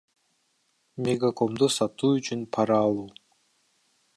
Мегакомду сатуу үчүн пара алуу